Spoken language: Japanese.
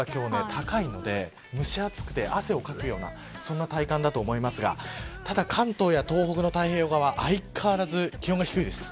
結構、湿度が今日は高いので蒸し暑くて汗をかくようなそんな体感だと思いますがただ関東や東北の太平洋側相変わらず気温が低いです。